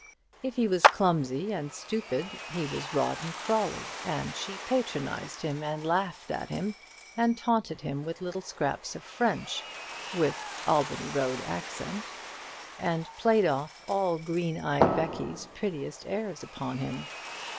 If he was clumsy and stupid, he was Rawdon Crawley; and she patronized him, and laughed at him, and taunted him with little scraps of French with the Albany Road accent, and played off all green eyed Becky's prettiest airs upon him.